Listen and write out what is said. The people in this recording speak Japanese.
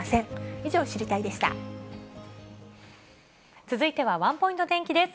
以上、続いてはワンポイント天気です。